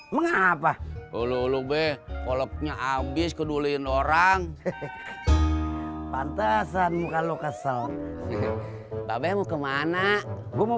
mengapa lulu be koloknya abis kedulin orang pantesan muka lo kesel mbak mau kemana gue mau